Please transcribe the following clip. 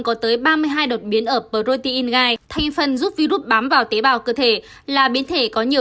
có tới ba mươi hai đột biến ở protein gai thành phần giúp virus bám vào tế bào cơ thể là biến thể có nhiều